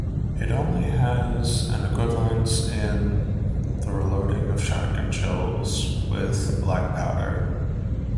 It only has an equivalence in the reloading of shotgun shells with black-powder.